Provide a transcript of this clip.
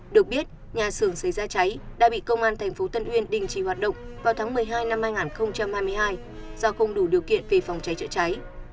được biết nhà xưởng xảy ra cháy đã bị công an tp tân uyên đình chỉ hoạt động vào tháng một mươi hai năm hai nghìn hai mươi hai do không đủ điều kiện về phòng cháy chữa cháy